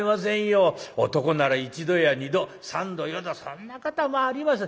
男なら一度や二度三度四度そんなこともあります。